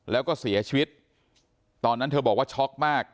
แล้วก็เสียชีวิตตอนนั้นเธอบอกว่าช็อกมาก